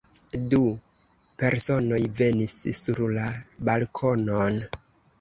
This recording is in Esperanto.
Du personoj venis sur la balkonon.